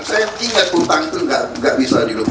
saya ingat utang itu tidak bisa dilupakan